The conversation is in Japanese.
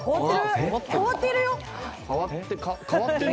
変わってる？